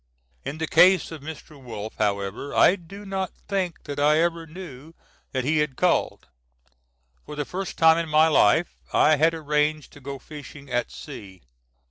In the case of Mr. Wolff, however, I do not think that I ever knew that he had called. For the first time in my life I had arranged to go fishing at sea.